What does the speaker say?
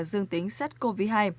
dương tính sars cov hai